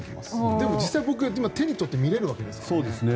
でも、実際僕が今手に取って見れるわけですからね。